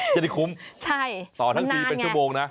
จะได้คุ้มต่อทั้งทีเป็นชั่วโมงนะ